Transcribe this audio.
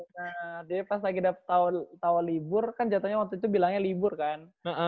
benar benar jadi pas lagi dapet tawa libur kan jatohnya waktu itu bilangnya libur kan